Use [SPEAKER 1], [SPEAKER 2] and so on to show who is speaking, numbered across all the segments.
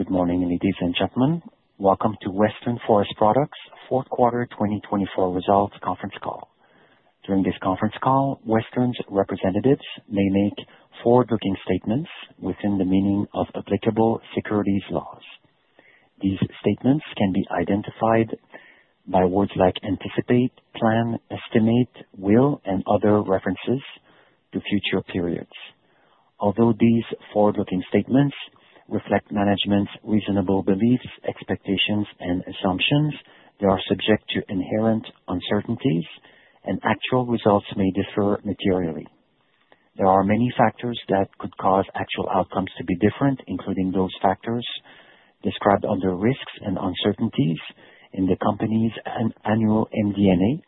[SPEAKER 1] Good morning, ladies and gentlemen. Welcome to Western Forest Products Fourth Quarter 2024 Results Conference Call. During this conference call, Western's representatives may make forward-looking statements within the meaning of applicable securities laws. These statements can be identified by words like anticipate, plan, estimate, will, and other references to future periods. Although these forward-looking statements reflect management's reasonable beliefs, expectations, and assumptions, they are subject to inherent uncertainties, and actual results may differ materially. There are many factors that could cause actual outcomes to be different, including those factors described under risks and uncertainties in the company's annual MD&A,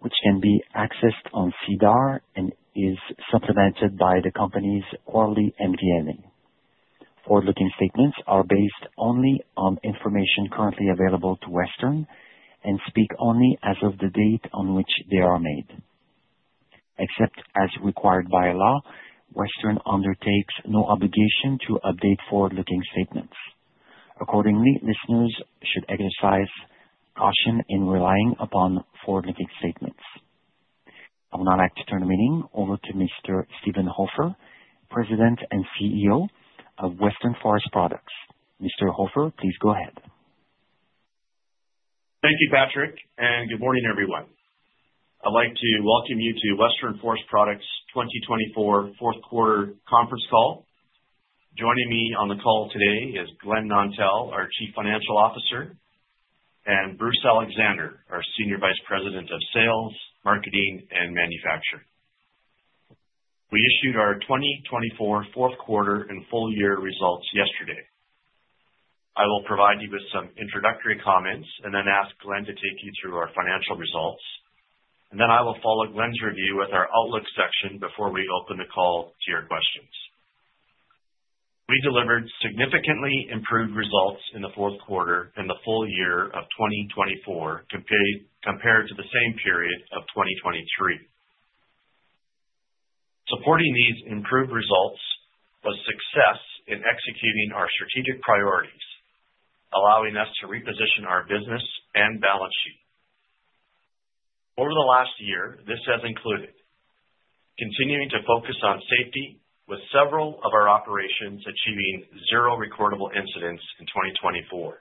[SPEAKER 1] which can be accessed on SEDAR and is supplemented by the company's quarterly MD&A. Forward-looking statements are based only on information currently available to Western and speak only as of the date on which they are made. Except as required by law, Western undertakes no obligation to update forward-looking statements. Accordingly, listeners should exercise caution in relying upon forward-looking statements. I would now like to turn the meeting over to Mr. Steven Hofer, President and CEO of Western Forest Products. Mr. Hofer, please go ahead.
[SPEAKER 2] Thank you, Patrick, and good morning, everyone. I'd like to welcome you to Western Forest Products' 2024 Fourth Quarter Conference Call. Joining me on the call today is Glen Nontell, our Chief Financial Officer, and Bruce Alexander, our Senior Vice President of Sales, Marketing, and Manufacturing. We issued our 2024 Fourth Quarter and full-year results yesterday. I will provide you with some introductory comments and then ask Glen to take you through our financial results. I will follow Glen's review with our Outlook section before we open the call to your questions. We delivered significantly improved results in the fourth quarter and the full year of 2024 compared to the same period of 2023. Supporting these improved results was success in executing our strategic priorities, allowing us to reposition our business and balance sheet. Over the last year, this has included continuing to focus on safety, with several of our operations achieving zero recordable incidents in 2024,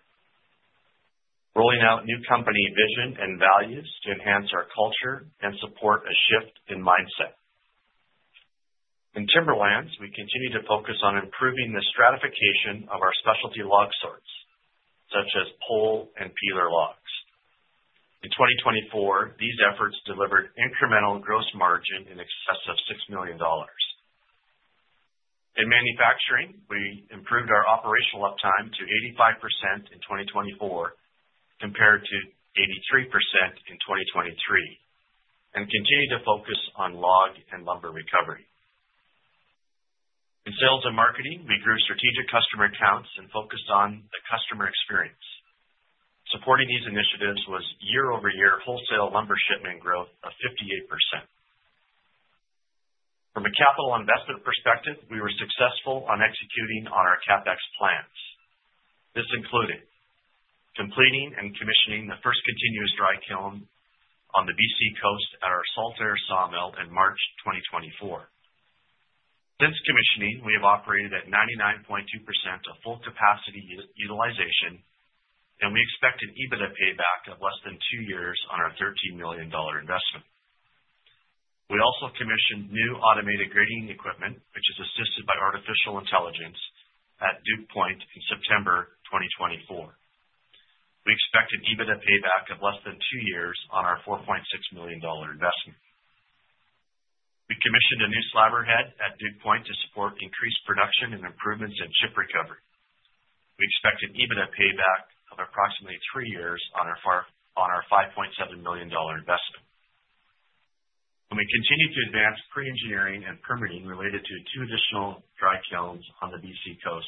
[SPEAKER 2] rolling out new company vision and values to enhance our culture and support a shift in mindset. In timberlands, we continue to focus on improving the stratification of our specialty log sorts, such as pole and peeler logs. In 2024, these efforts delivered incremental gross margin in excess of $6 million. In manufacturing, we improved our operational uptime to 85% in 2024 compared to 83% in 2023, and continue to focus on log and lumber recovery. In sales and marketing, we grew strategic customer accounts and focused on the customer experience. Supporting these initiatives was year-over-year wholesale lumber shipment growth of 58%. From a capital investment perspective, we were successful on executing on our CapEx plans. This included completing and commissioning the first continuous dry kiln on the BC Coast at our Saltair Sawmill in March 2024. Since commissioning, we have operated at 99.2% of full capacity utilization, and we expect an EBITDA payback of less than two years on our $13 million investment. We also commissioned new automated grading equipment, which is assisted by artificial intelligence, at Duke Point in September 2024. We expect an EBITDA payback of less than two years on our $4.6 million investment. We commissioned a new slabber head at Duke Point to support increased production and improvements in chip recovery. We expect an EBITDA payback of approximately three years on our $5.7 million investment. We continue to advance pre-engineering and permitting related to two additional dry kilns on the BC Coast.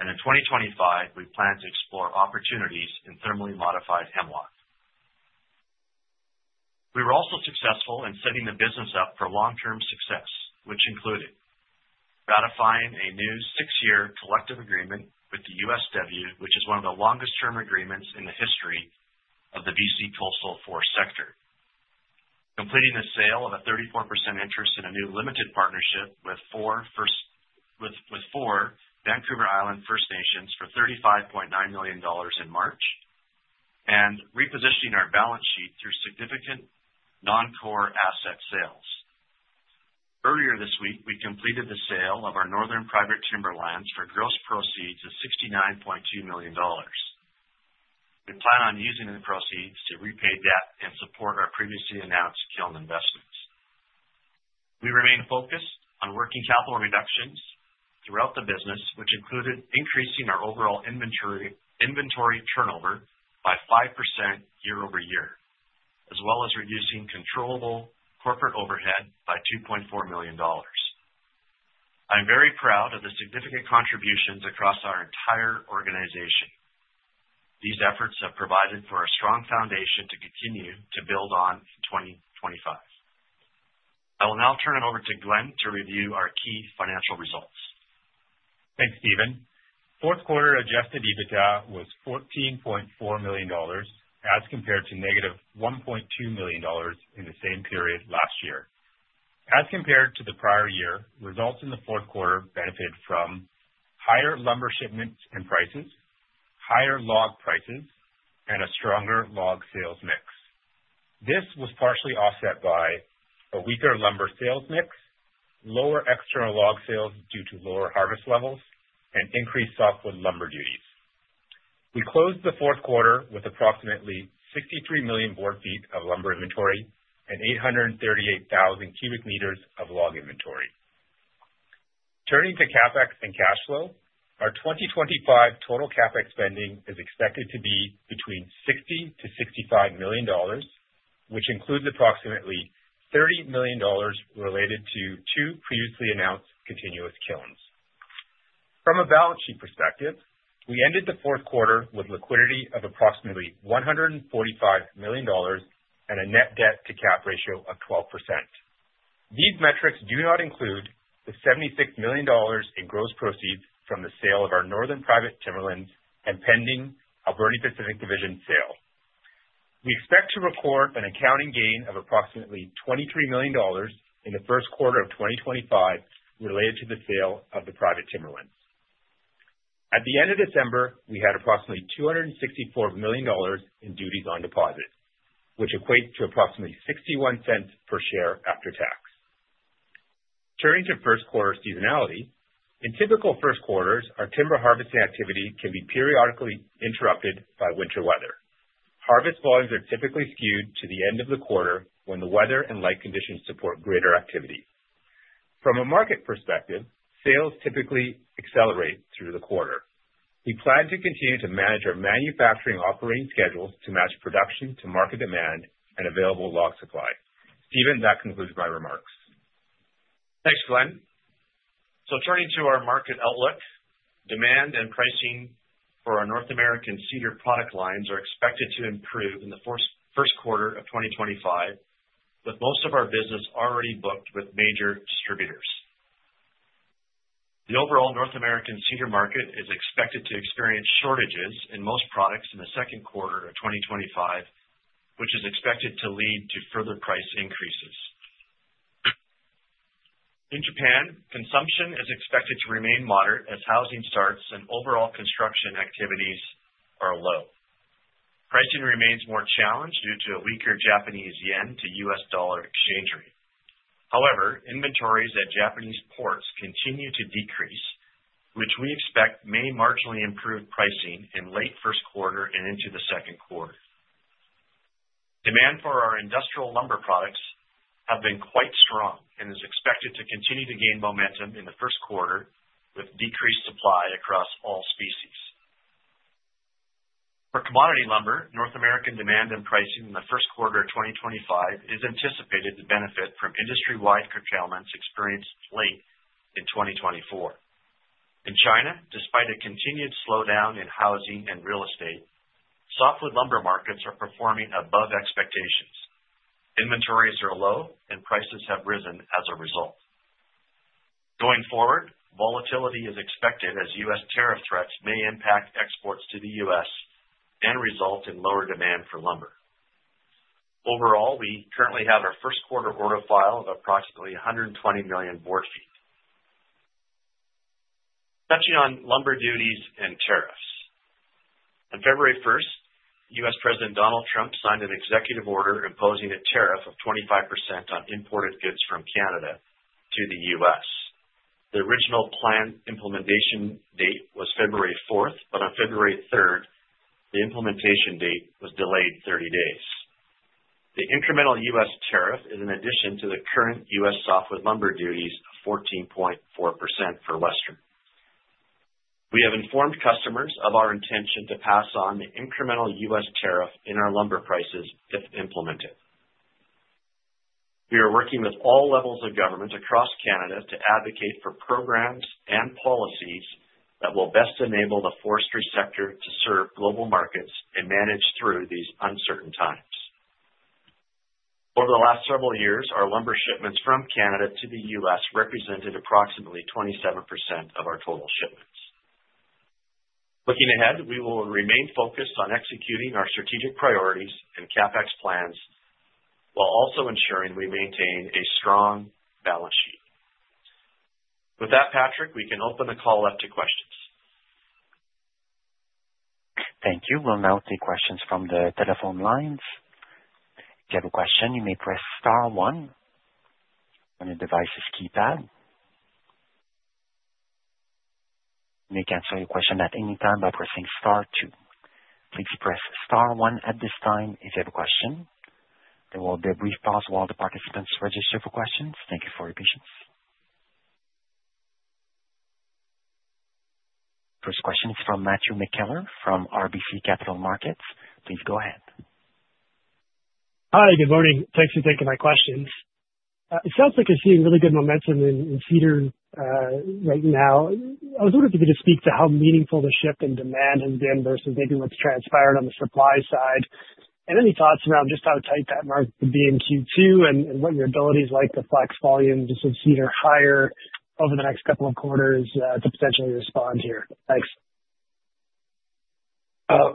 [SPEAKER 2] In 2025, we plan to explore opportunities in thermally modified hemlock. We were also successful in setting the business up for long-term success, which included ratifying a new six-year collective agreement with the USW, which is one of the longest-term agreements in the history of the BC coastal forest sector, completing the sale of a 34% interest in a new limited partnership with four Vancouver Island First Nations for $35.9 million in March, and repositioning our balance sheet through significant non-core asset sales. Earlier this week, we completed the sale of our Northern Private Timberlands for gross proceeds of $69.2 million. We plan on using the proceeds to repay debt and support our previously announced kiln investments. We remain focused on working capital reductions throughout the business, which included increasing our overall inventory turnover by 5% year-over-year, as well as reducing controllable corporate overhead by $2.4 million. I'm very proud of the significant contributions across our entire organization. These efforts have provided for a strong foundation to continue to build on in 2025. I will now turn it over to Glen to review our key financial results.
[SPEAKER 3] Thanks, Steven. Fourth quarter adjusted EBITDA was $14.4 million as compared to -$1.2 million in the same period last year. As compared to the prior year, results in the fourth quarter benefited from higher lumber shipments and prices, higher log prices, and a stronger log sales mix. This was partially offset by a weaker lumber sales mix, lower external log sales due to lower harvest levels, and increased softwood lumber duties. We closed the fourth quarter with approximately 63 million board feet of lumber inventory and 838,000 cubic meters of log inventory. Turning to CapEx and cash flow, our 2025 total CapEx spending is expected to be between $60 million-$65 million, which includes approximately $30 million related to two previously announced continuous kilns. From a balance sheet perspective, we ended the fourth quarter with liquidity of approximately $145 million and a net debt-to-cap ratio of 12%. These metrics do not include the $76 million in gross proceeds from the sale of our northern private timberlands and pending Alberni Pacific Division sale. We expect to record an accounting gain of approximately $23 million in the first quarter of 2025 related to the sale of the private timberlands. At the end of December, we had approximately $264 million in duties on deposit, which equates to approximately $0.61 per share after tax. Turning to first quarter seasonality, in typical first quarters, our timber harvesting activity can be periodically interrupted by winter weather. Harvest volumes are typically skewed to the end of the quarter when the weather and light conditions support greater activity. From a market perspective, sales typically accelerate through the quarter. We plan to continue to manage our manufacturing operating schedules to match production to market demand and available log supply. Steven, that concludes my remarks.
[SPEAKER 2] Thanks, Glen. Turning to our market outlook, demand and pricing for our North American cedar product lines are expected to improve in the first quarter of 2025, with most of our business already booked with major distributors. The overall North American cedar market is expected to experience shortages in most products in the second quarter of 2025, which is expected to lead to further price increases. In Japan, consumption is expected to remain moderate as housing starts and overall construction activities are low. Pricing remains more challenged due to a weaker Japanese yen to US dollar exchange rate. However, inventories at Japanese ports continue to decrease, which we expect may marginally improve pricing in late first quarter and into the second quarter. Demand for our industrial lumber products has been quite strong and is expected to continue to gain momentum in the first quarter with decreased supply across all species. For commodity lumber, North American demand and pricing in the first quarter of 2025 is anticipated to benefit from industry-wide curtailments experienced late in 2024. In China, despite a continued slowdown in housing and real estate, softwood lumber markets are performing above expectations. Inventories are low, and prices have risen as a result. Going forward, volatility is expected as U.S. tariff threats may impact exports to the U.S. and result in lower demand for lumber. Overall, we currently have our first quarter order file of approximately 120 million board feet. Touching on lumber duties and tariffs, on February 1, U.S. President Donald Trump signed an executive order imposing a tariff of 25% on imported goods from Canada to the U.S. The original planned implementation date was February 4th, but on February 3rd, the implementation date was delayed 30 days. The incremental US tariff is in addition to the current US softwood lumber duties of 14.4% for Western. We have informed customers of our intention to pass on the incremental US tariff in our lumber prices if implemented. We are working with all levels of government across Canada to advocate for programs and policies that will best enable the forestry sector to serve global markets and manage through these uncertain times. Over the last several years, our lumber shipments from Canada to the US represented approximately 27% of our total shipments. Looking ahead, we will remain focused on executing our strategic priorities and CapEx plans while also ensuring we maintain a strong balance sheet. With that, Patrick, we can open the call up to questions.
[SPEAKER 1] Thank you. We'll now take questions from the telephone lines. If you have a question, you may press star one on the device's keypad. You may cancel your question at any time by pressing star two. Please press star one at this time if you have a question. There will be a brief pause while the participants register for questions. Thank you for your patience. First question is from Matthew McKellar from RBC Capital Markets. Please go ahead.
[SPEAKER 4] Hi, good morning. Thanks for taking my questions. It sounds like you're seeing really good momentum in cedar right now. I was wondering if you could just speak to how meaningful the shift in demand has been versus maybe what's transpired on the supply side, and any thoughts around just how tight that market could be into Q2 and what your ability is like to flex volumes to see cedar higher over the next couple of quarters to potentially respond here. Thanks.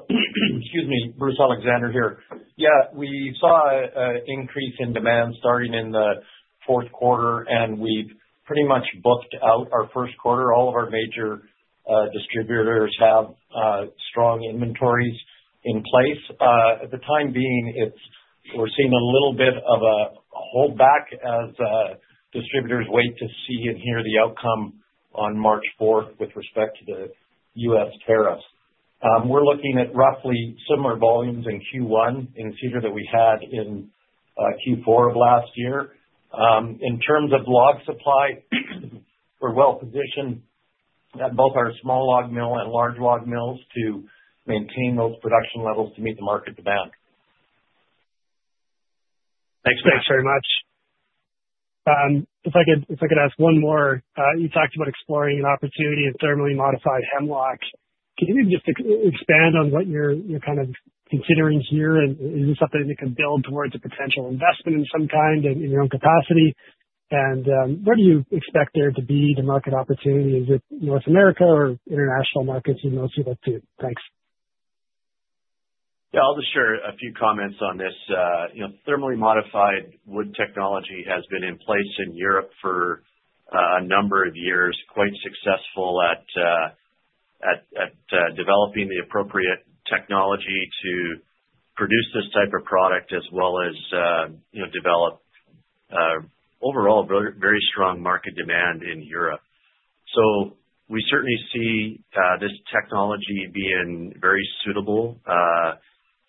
[SPEAKER 5] Excuse me, Bruce Alexander here. Yeah, we saw an increase in demand starting in the fourth quarter, and we've pretty much booked out our first quarter. All of our major distributors have strong inventories in place. At the time being, we're seeing a little bit of a holdback as distributors wait to see and hear the outcome on March 4 with respect to the U.S. tariffs. We're looking at roughly similar volumes in Q1 in cedar that we had in Q4 of last year. In terms of log supply, we're well positioned at both our small log mill and large log mills to maintain those production levels to meet the market demand.
[SPEAKER 4] Thanks, thanks very much. If I could ask one more, you talked about exploring an opportunity in thermally modified hemlock. Can you just expand on what you're kind of considering here, and is this something that can build towards a potential investment in some kind in your own capacity? Where do you expect there to be the market opportunity? Is it North America or international markets you mostly look to? Thanks.
[SPEAKER 2] Yeah, I'll just share a few comments on this. Thermally modified wood technology has been in place in Europe for a number of years, quite successful at developing the appropriate technology to produce this type of product as well as develop overall very strong market demand in Europe. We certainly see this technology being very suitable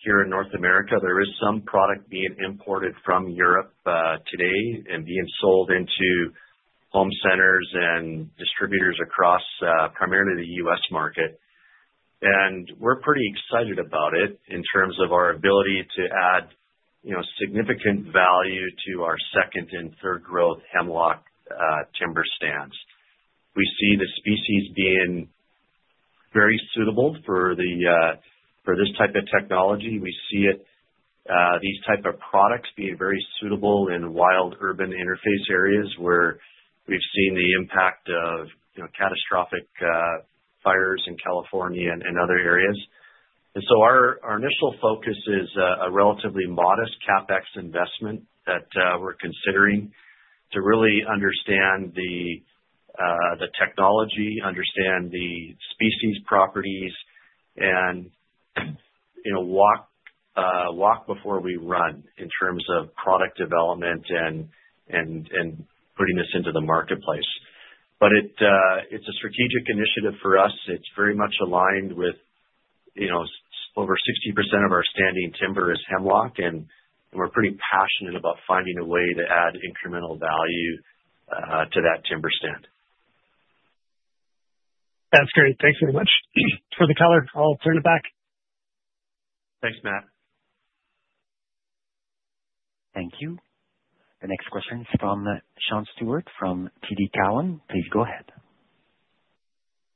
[SPEAKER 2] here in North America. There is some product being imported from Europe today and being sold into home centers and distributors across primarily the U.S. market. We're pretty excited about it in terms of our ability to add significant value to our second and third growth hemlock timber stands. We see the species being very suitable for this type of technology. We see these types of products being very suitable in wild urban interface areas where we've seen the impact of catastrophic fires in California and other areas. Our initial focus is a relatively modest CapEx investment that we're considering to really understand the technology, understand the species properties, and walk before we run in terms of product development and putting this into the marketplace. It is a strategic initiative for us. It is very much aligned with over 60% of our standing timber is hemlock, and we're pretty passionate about finding a way to add incremental value to that timber stand.
[SPEAKER 4] That's great. Thanks very much for the color. I'll turn it back.
[SPEAKER 2] Thanks, Matt.
[SPEAKER 1] Thank you. The next question is from Sean Steuart from TD Cowen. Please go ahead.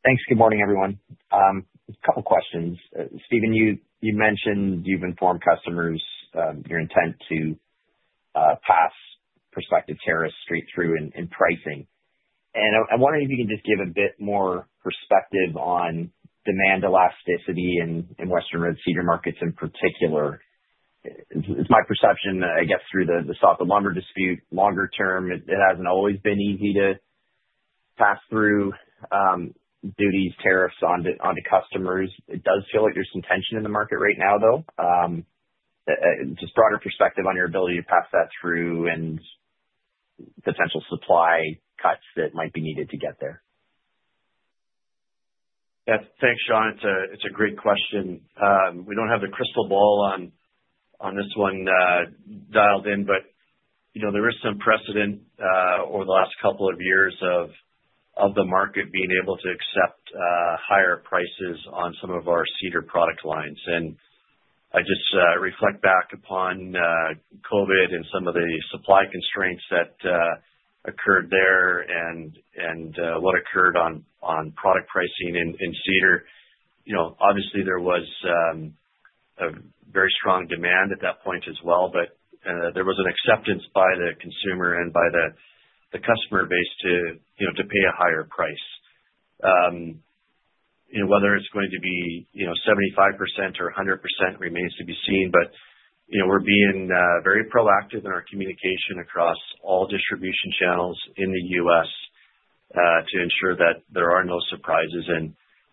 [SPEAKER 6] Thanks. Good morning, everyone. A couple of questions. Steven, you mentioned you've informed customers of your intent to pass prospective tariffs straight through in pricing. I'm wondering if you can just give a bit more perspective on demand elasticity in Western Red Cedar markets in particular. It's my perception, I guess, through the softwood lumber dispute, longer term, it hasn't always been easy to pass through duties, tariffs onto customers. It does feel like there's some tension in the market right now, though. Just broader perspective on your ability to pass that through and potential supply cuts that might be needed to get there.
[SPEAKER 2] Yeah, thanks, Sean. It's a great question. We don't have the crystal ball on this one dialed in, but there is some precedent over the last couple of years of the market being able to accept higher prices on some of our cedar product lines. I just reflect back upon COVID and some of the supply constraints that occurred there and what occurred on product pricing in cedar. Obviously, there was a very strong demand at that point as well, but there was an acceptance by the consumer and by the customer base to pay a higher price. Whether it's going to be 75% or 100% remains to be seen, but we're being very proactive in our communication across all distribution channels in the U.S. to ensure that there are no surprises.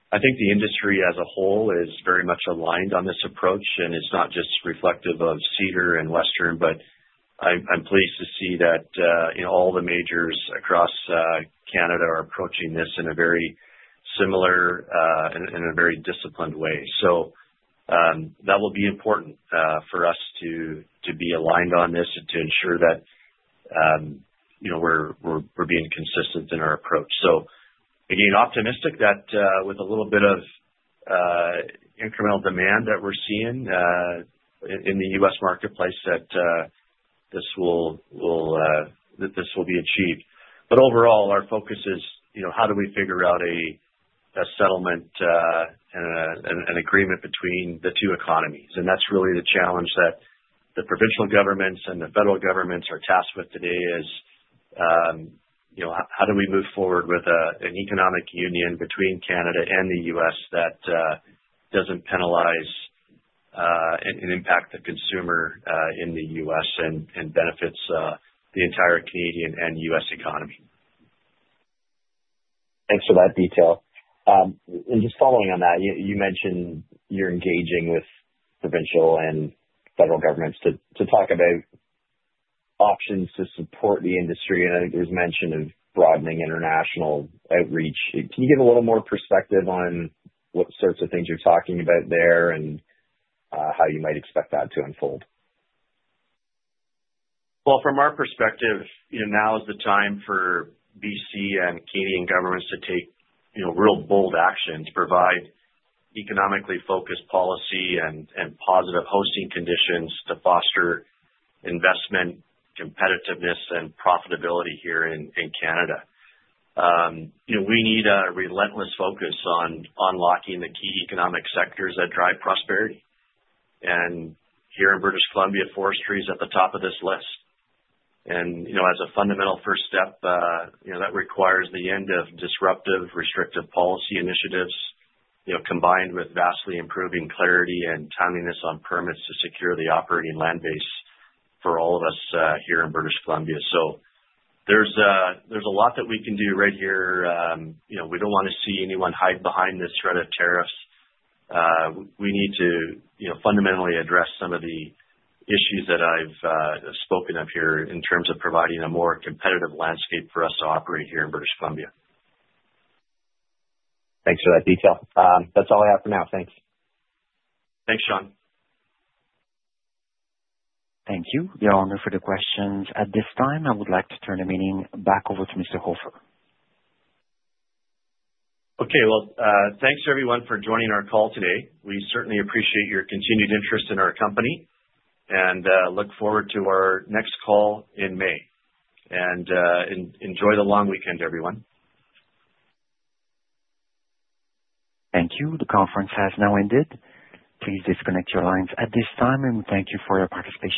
[SPEAKER 2] I think the industry as a whole is very much aligned on this approach, and it's not just reflective of cedar and Western, but I'm pleased to see that all the majors across Canada are approaching this in a very similar and a very disciplined way. That will be important for us to be aligned on this and to ensure that we're being consistent in our approach. I'm optimistic that with a little bit of incremental demand that we're seeing in the U.S. marketplace, this will be achieved. Overall, our focus is how do we figure out a settlement and an agreement between the two economies? That's really the challenge that the provincial governments and the federal governments are tasked with today is how do we move forward with an economic union between Canada and the U.S. that does not penalize and impact the consumer in the U.S. and benefits the entire Canadian and U.S. economy?
[SPEAKER 6] Thanks for that detail. Just following on that, you mentioned you're engaging with provincial and federal governments to talk about options to support the industry. I think there's mention of broadening international outreach. Can you give a little more perspective on what sorts of things you're talking about there and how you might expect that to unfold?
[SPEAKER 2] From our perspective, now is the time for BC and Canadian governments to take real bold actions, provide economically focused policy and positive hosting conditions to foster investment, competitiveness, and profitability here in Canada. We need a relentless focus on unlocking the key economic sectors that drive prosperity. Here in British Columbia, forestry is at the top of this list. As a fundamental first step, that requires the end of disruptive restrictive policy initiatives combined with vastly improving clarity and timeliness on permits to secure the operating land base for all of us here in British Columbia. There is a lot that we can do right here. We do not want to see anyone hide behind this threat of tariffs. We need to fundamentally address some of the issues that I've spoken of here in terms of providing a more competitive landscape for us to operate here in British Columbia.
[SPEAKER 6] Thanks for that detail. That's all I have for now. Thanks.
[SPEAKER 2] Thanks, Sean.
[SPEAKER 1] Thank you. We are all ready for the questions. At this time, I would like to turn the meeting back over to Mr. Hofer.
[SPEAKER 2] Okay, thanks everyone for joining our call today. We certainly appreciate your continued interest in our company and look forward to our next call in May. Enjoy the long weekend, everyone.
[SPEAKER 1] Thank you. The conference has now ended. Please disconnect your lines at this time, and we thank you for your participation.